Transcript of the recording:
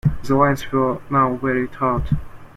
The lines were now very taut.